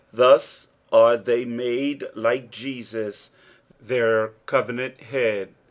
Tbos are they made like Jesus their covenant Head.